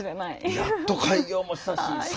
やっと開業もしたしさ